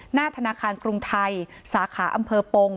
หน้าธนาคารกรุงไทยสาขาอำเภอปง